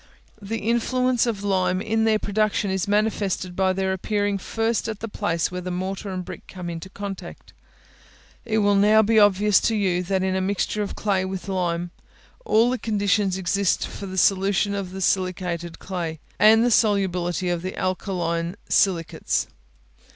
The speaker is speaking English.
The influence of lime in their production is manifested by their appearing first at the place where the mortar and brick come into contact. It will now be obvious to you, that in a mixture of clay with lime, all the conditions exist for the solution of the silicated clay, and the solubility of the alkaline silicates.